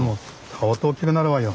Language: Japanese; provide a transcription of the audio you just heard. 相当大きくなるわよ。